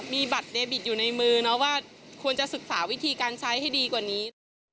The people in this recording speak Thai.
มีบัตรเดบิตอยู่ในมือเนาะว่าควรจะศึกษาวิธีการใช้ให้ดีกว่านี้